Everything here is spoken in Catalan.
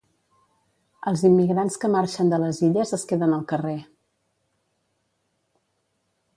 Els immigrants que marxen de les Illes es queden al carrer.